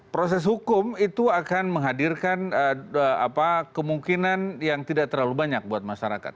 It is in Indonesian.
proses hukum itu akan menghadirkan kemungkinan yang tidak terlalu banyak buat masyarakat